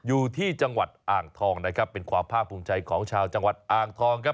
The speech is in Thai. อยู่ที่จังหวัดอ่างทองนะครับเป็นความภาคภูมิใจของชาวจังหวัดอ่างทองครับ